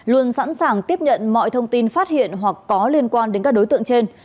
luôn sẵn sàng tiếp nhận mọi thông tin phát hiện hoặc có liên quan đến các đối tượng trên